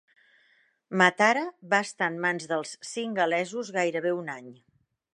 Matara va estar en mans dels singalesos gairebé un any.